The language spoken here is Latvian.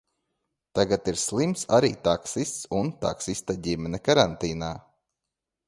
Tagad ir slims arī taksists un taksista ģimene karantīnā.